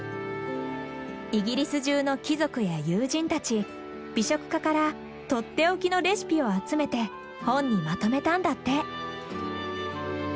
イギリスじゅうの貴族や友人たち美食家から取って置きのレシピを集めて本にまとめたんだって。